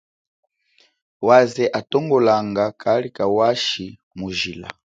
Waze atongolanga kali kawashi mujila.